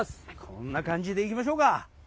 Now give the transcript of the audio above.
こんな感じで行きましょうか。